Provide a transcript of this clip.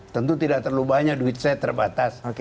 tentu tidak terlalu banyak duit saya terbatas